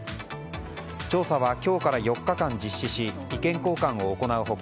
調査は今日から４日間実施し意見交換を行う他